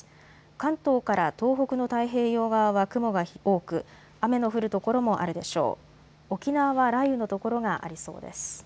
関東から東北の太平洋側は雲が多く、雨の降る所もあるでしょう。